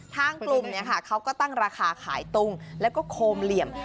ทางกลุ่มเขาก็ตั้งราคาขายตุงแล้วก็โคมเหลี่ยม